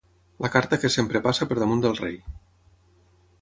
La carta que sempre passa per damunt del rei.